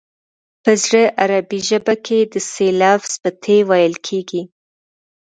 په زړه عربي ژبه کې د ث لفظ په ت ویل کېږي